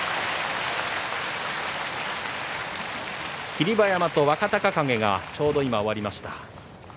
霧馬山と若隆景、ちょうど今終わりました。